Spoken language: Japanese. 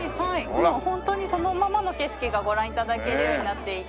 もうホントにそのままの景色がご覧頂けるようになっていて。